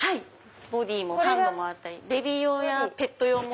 ボディーもハンドもあったりベビー用やペット用も。